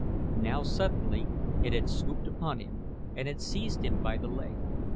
Now suddenly it had swooped upon him, and had seized him by the leg.